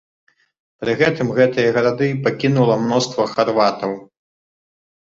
Пры гэтым гэтыя гарады пакінула мноства харватаў.